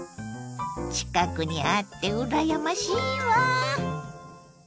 近くにあってうらやましいわ。